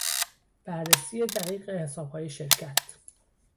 بررسی دقیق حسابهای شرکت